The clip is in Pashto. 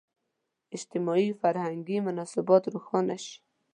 اجتماعي – فرهنګي مناسبات روښانه شي.